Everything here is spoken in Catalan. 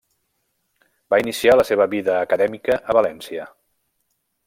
Va iniciar la seva vida acadèmica a València.